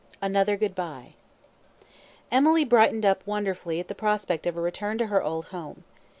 Another Good Bye Emily brightened up wonderfully at the prospect of a return to her old home.